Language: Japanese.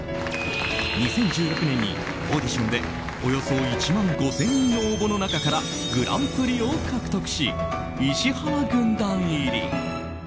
２０１６年にオーディションでおよそ１万５０００人の応募の中からグランプリを獲得し石原軍団入り！